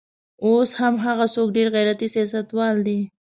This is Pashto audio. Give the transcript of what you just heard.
اوس هم هغه څوک ډېر غیرتي سیاستوال دی.